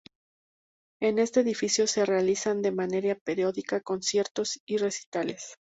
En este edificio se realizan de manera periódica conciertos y recitales.